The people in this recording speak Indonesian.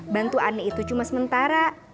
bantu ani itu cuma sementara